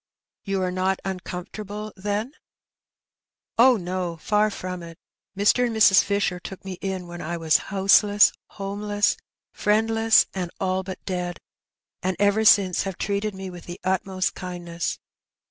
" You are not uncomfortable, then ?"" Oh, no ! far from it. Mr. and Mrs. Fisher took me in when I was houseless, homeless, friendless, and all but dead, and ever since have treated me with the utmost kindness.